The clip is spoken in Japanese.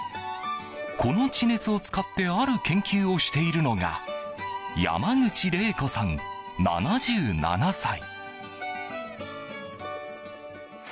この地熱を使ってある研究をしているのが山口怜子さん、７７歳。